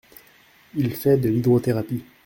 Il fait de l’hydrothérapie.